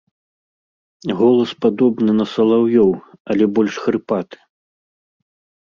Голас падобны на салаўёў, але больш хрыпаты.